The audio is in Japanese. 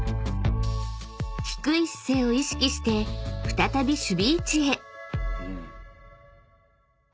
［低い姿勢を意識して再び守備位置へ］